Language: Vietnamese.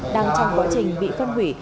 đang trong quá trình bị phân hủy